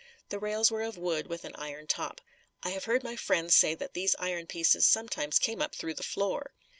The rails were of wood, with an iron top. I have heard my friends say that these iron pieces sometimes came up through the floor.